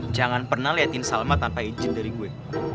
jangan pernah liatin salma tanpa izin dari gue